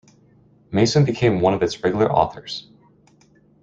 Mason became one of its regular authors.